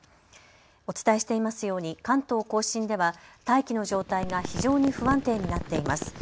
お伝えしていますように関東甲信では大気の状態が非常に不安定になっています。